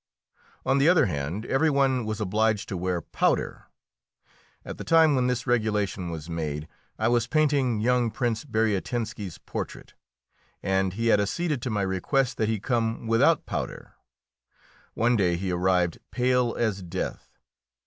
On the other hand, every one was obliged to wear powder. At the time when this regulation was made I was painting young Prince Bariatinski's portrait, and he had acceded to my request that he come without powder. One day he arrived pale as death.